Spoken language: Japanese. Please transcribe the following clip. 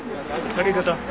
ありがとう。